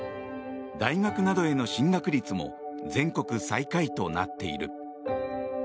大学などへの進学率も全国最下位となっている。